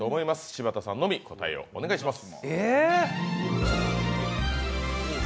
柴田さんのみ答えをお願いします。